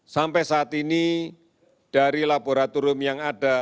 sampai saat ini dari laboratorium yang ada